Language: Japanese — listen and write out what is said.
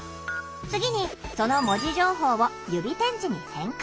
次にその文字情報を指点字に変換。